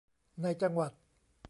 ในจังหวัด